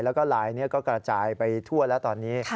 แล้วก็ลายนี้ก็กระจายไปทั่วแล้วตอนนี้